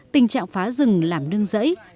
tình trạng phá rừng làm nương rẫy